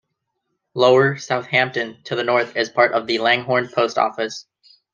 Lower Southampton to the north is part of the Langhorne Post Office.